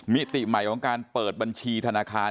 มิติใหม่ของการเปิดบัญชีธนาคาร